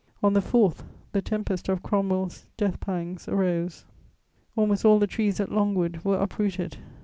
On the 4th, the tempest of Cromwell's death pangs arose: almost all the trees at Longwood were uprooted.